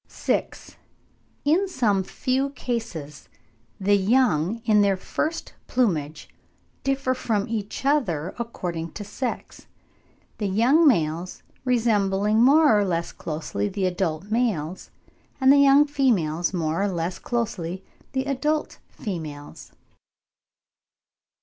VI. In some few cases the young in their first plumage differ from each other according to sex; the young males resembling more or less closely the adult males, and the young females more or less closely the adult females.